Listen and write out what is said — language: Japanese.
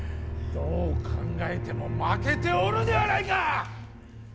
どう考えても負けておるではないか！